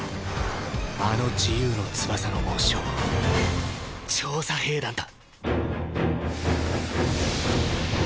あの“自由の翼”の紋章調査兵団だ。